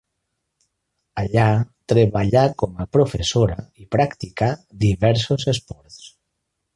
Allà treballà com a professora i practicà diversos esports.